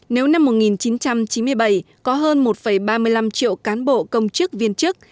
nếu năm một nghìn chín trăm chín mươi bảy có hơn một ba mươi năm triệu cán bộ công chức viên chức